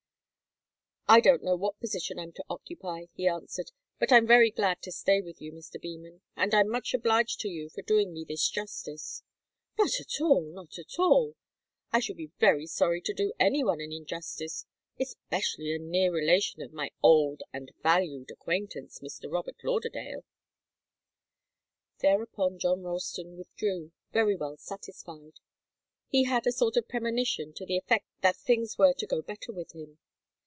"I don't know what position I'm to occupy," he answered. "But I'm very glad to stay with you, Mr. Beman and I'm much obliged to you for doing me this justice." "Not at all, not at all. I should be very sorry to do any one an injustice especially a near relation of my old and valued acquaintance, Mr. Robert Lauderdale." Thereupon John Ralston withdrew, very well satisfied. He had a sort of premonition to the effect that things were to go better with him.